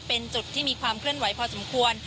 เป็นจุดที่มีความเคลื่อนไหวพอสมควร